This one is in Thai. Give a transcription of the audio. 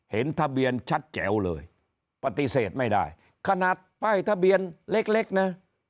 เห็นทะเบียนชัดแจ๋วเลยปฏิเสธไม่ได้ขนาดป้ายทะเบียนเล็กนะ